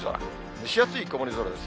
蒸し暑い曇り空です。